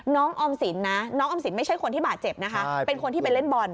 ออมสินนะน้องออมสินไม่ใช่คนที่บาดเจ็บนะคะเป็นคนที่ไปเล่นบอล